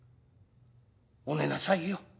お寝なさいよ。